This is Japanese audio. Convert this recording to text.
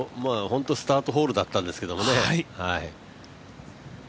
スタートホールだったんですけどね。